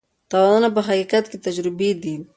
تاوانونه په حقیقت کې تجربې دي.